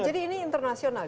jadi ini internasional ya